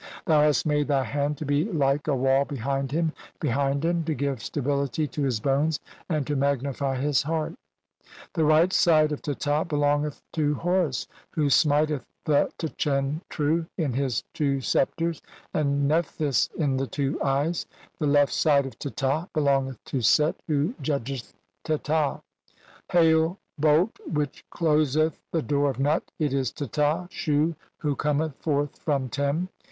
Thou hast made thy hand to be like "a wall behind him, behind him, to give stability to "his bones and to magnify his heart." (198) "The right side of Teta belongeth to Ho "rus who smiteth the Tchentru in his two sceptres (?) "and Nephthys in the two eyes ; the left side of Teta "belongeth to Set who judgeth Teta." "Hail, bolt which closeth the door of Nut, it is Teta, "Shu who cometh forth from Tem.